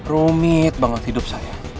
rumit banget hidup saya